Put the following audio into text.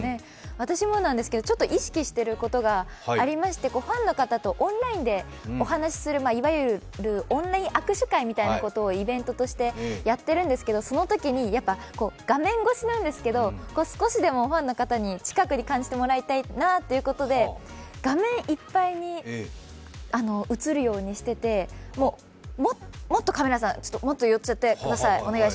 私もなんですけど、ちょっと意識してることがありまして、ファンの方とオンラインでお話するいわゆるオンライン握手会みたいなことをイベントとしてやっているんですけど、そのときに画面越しなんですけど少しでもファンの方に近くに感じてもらいたいなということで、画面いっぱいに映るようにしててもっとカメラさん、寄っちゃってください。